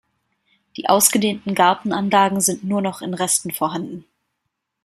Die ausgedehnten Gartenanlagen sind nur noch in Resten vorhanden.